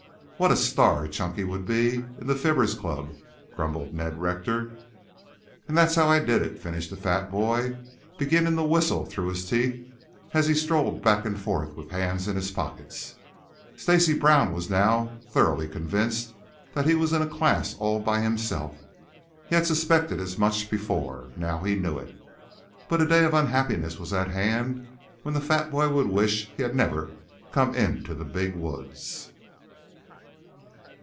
"What a star Chunky would be in the Fibbers' Club," grumbled Ned Rector. "And that's how I did it," finished the fat boy, beginning to whistle through his teeth as he strolled back and forth with hands in his pockets. Stacy Brown was now thoroughly convinced that he was in a class all by himself. He had suspected as much before. Now he knew it. But a day of unhappiness was at hand when the fat boy would wish he never had come into the big woods.